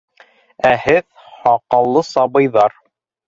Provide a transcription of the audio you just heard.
Ә һеҙ, һаҡаллы сабыйҙар...